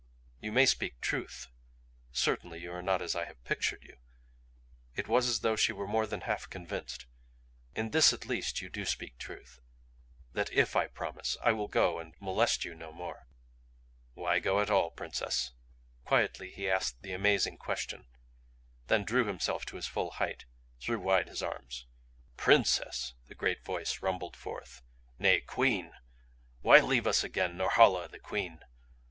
"You may speak truth! Certainly you are not as I have pictured you." It was as though she were more than half convinced. "In this at least you do speak truth that IF I promise I will go and molest you no more." "Why go at all, Princess?" Quietly he asked the amazing question then drew himself to his full height, threw wide his arms. "Princess?" the great voice rumbled forth. "Nay Queen! Why leave us again Norhala the Queen?